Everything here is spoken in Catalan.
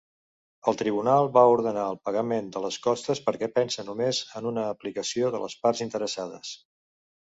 El tribunal va ordenar el pagament de les costes perquè pensa només en una aplicació a les parts interessades.